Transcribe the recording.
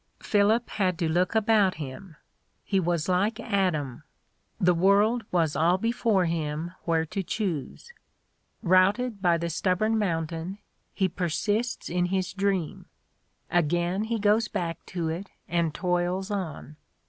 ... Philip had to look about him. He was like Adam: the world was all before him where to choose." Routed by the stubborn mountain, he persists in his dream: again he goes back to it and toils on.